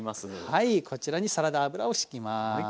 はいこちらにサラダ油をしきます。